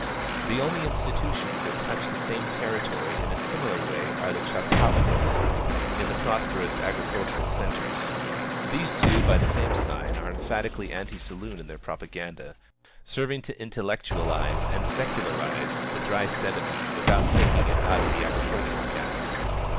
The only institutions that touch the same territory in a similar way are the Chautauquas in the prosperous agricultural centres. These, too, by the same sign are emphatically anti saloon in their propaganda, serving to intellectualize and secularize the dry sentiment without taking it out of the agricultural caste.